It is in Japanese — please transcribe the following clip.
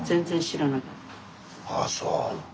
ああそう。